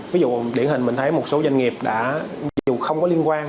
ví dụ điển hình mình thấy một số doanh nghiệp đã dù không có liên quan